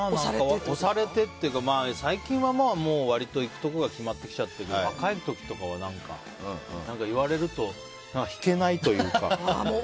押されてというか最近は、割と行くところが決まってきちゃってるけど若い時は言われると引けないというか。